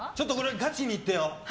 ガチにいってよ。